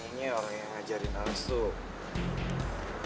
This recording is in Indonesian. ini orang yang ngajarin alex tuh